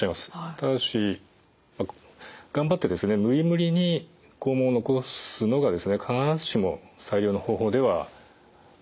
ただし頑張って無理無理に肛門を残すのが必ずしも最良の方法ではないんですね。